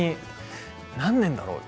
何年だろう？